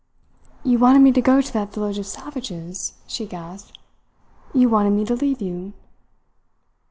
"You wanted me to go to that village of savages?" she gasped. "You wanted me to leave you?"